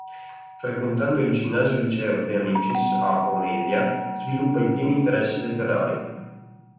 Frequentando il "Ginnasio-Liceo De Amicis" a Oneglia, sviluppa i primi interessi letterari.